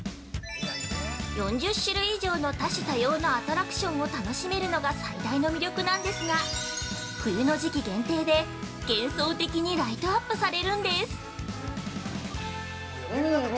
４０種類以上の多種多様なアトラクションを楽しめるのが最大の魅力なんですが冬の時期限定で幻想的にライトアップされるんです。